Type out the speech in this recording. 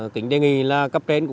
kính đề nghị là cấp đen